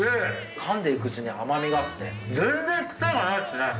かんでいくうちに甘みがあって全然クセがないっすね。